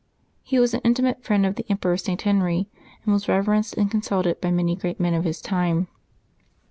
He was an intimate friend of the Emperor St. Henry, and was reverenced and consulted by many great men of his time.